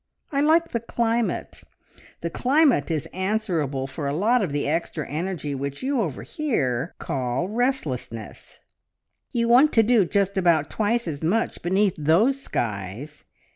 I like the climate. The climate is answerable for a lot of the extra energy which you over here call `restlessness.' You want to do just about twice as much beneath those skies!"